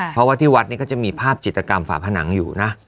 เพราะว่าที่วัดนี้ก็จะมีภาพจิตกรรมฝาผนังอยู่นะ